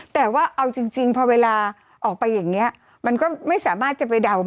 แต่ว่าเอาจริงพอเวลาออกไปอย่างนี้มันก็ไม่สามารถจะไปเดาได้